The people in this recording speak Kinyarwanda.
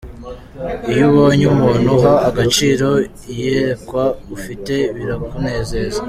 Iyo ubonye umuntu uha agaciro iyerekwa ufite birakunezeza.